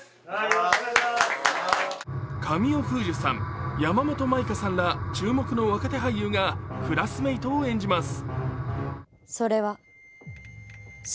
神尾楓珠さん、山本舞香さんら注目の若手俳優らがクラスメイトを演じます。